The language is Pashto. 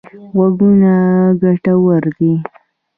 غوږونه ګټور دي.